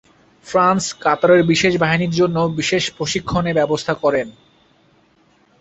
France কাতারের বিশেষ বাহিনীর জন্য বিশেষ প্রশিক্ষণে ব্যবস্থা করেন।